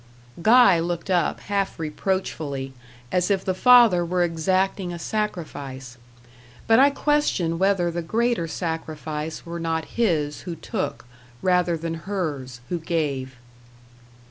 Guy looked up, half reproachfully, as if the father were exacting a sacrifice; but I question whether the greater sacrifice were not his who took rather than hers who gave.